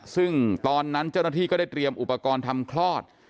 ซึ่งตอนนั้นเจ้าหน้าที่ก็ได้เตรียมอุปกรณ์ทำคลอด